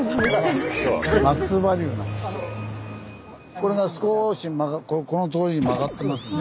これが少しこのとおりに曲がってますんで。